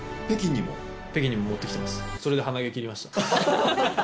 北京にも持ってきてます。